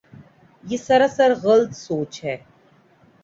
یہ سراسر غلط سوچ ہے۔